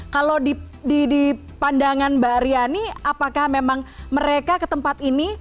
kalau di pandangan mbak riani apakah memang mereka ke tempat ini